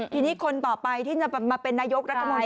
ต่อไปที่จะมาเป็นนายกรัฐมนตรี